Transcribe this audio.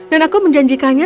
dan aku menjanjikannya